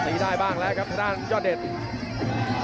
นี่ได้บ้างแล้วครับชะด้านยอดเดชน์